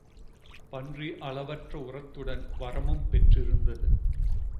பன்றி அளவற்ற உரத்துடன் வரமும் பெற்றிருந்தது.